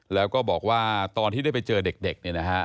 แล้วก็บอกว่าตอนที่ได้ไปเจอเด็กเนี่ยนะฮะ